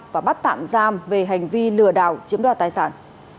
và bắt tạm giam về hành vi lừa đảo chiếm đoạt tài sản